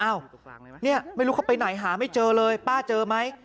ไม่รู้เขาไปไหนหาไม่เจอเลยป้าเจอไหม